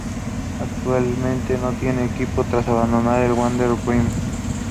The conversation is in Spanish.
Actualmente no tiene equipo tras abandonar el Werder Bremen.